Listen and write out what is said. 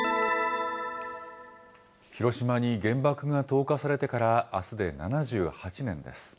広島に原爆が投下されてからあすで７８年です。